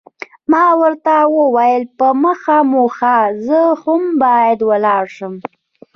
ما ورته وویل، په مخه مو ښه، زه هم باید ولاړ شم.